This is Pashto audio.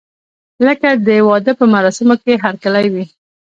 لکه د واده په مراسمو کې هرکلی وي.